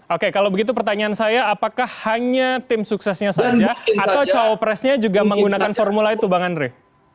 oke kalau begitu pertanyaan saya apakah hanya tim suksesnya saja atau cowok presnya juga menggunakan formula itu bang andre